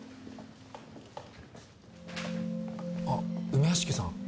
あっ梅屋敷さん